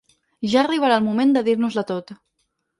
Ja arribarà el moment de dir-nos de tot!